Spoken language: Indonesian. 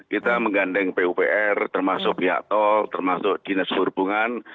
kita menggandeng pupr termasuk pihak tol termasuk jenis hubungan